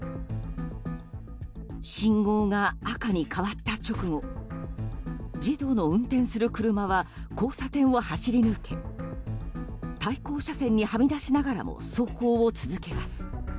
信号が赤に変わった直後児童の運転する車は交差点を走り抜け対向車線にはみ出しながらも走行を続けます。